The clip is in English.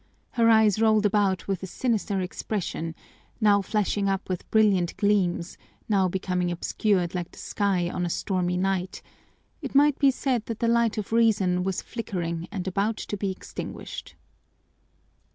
Her eyes rolled about with a sinister expression, now flashing up with brilliant gleams, now becoming obscured like the sky on a stormy night; it might be said that the light of reason was flickering and about to be extinguished.